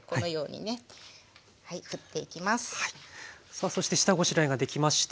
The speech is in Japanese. さあそして下ごしらえができまして。